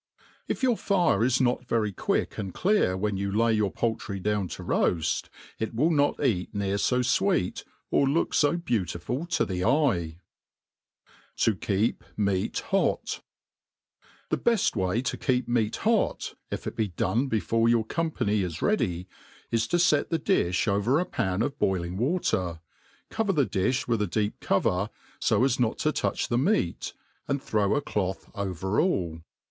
'' IF your fire is not very quick and clear whea yote lay yoiif poultry down to roaft, it wUl not eatftear fo fweet, or look fo besuttful to the eye. TV hep Medt Uu .THp bcft way to keep meat hot, if it be rforie before ydctf company IS rea<iyj is to fct the diflx over a pan of boili% Wat^r , GQver the dilh with a deep cover, fo as mi tb touch tie tftciif and throw a.cloA over all.